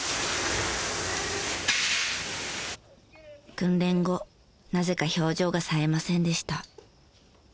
訓練後なぜか表情がさえませんでした。